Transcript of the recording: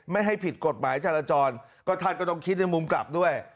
ไม่ให้ผิดกฎหมายจราจรก็ท่านก็ต้องคิดในมุมกลับด้วย